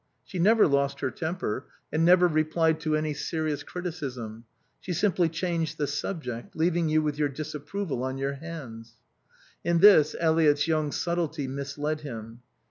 She never lost her temper, and never replied to any serious criticism; she simply changed the subject, leaving you with your disapproval on your hands. In this Eliot's young subtlety misled him.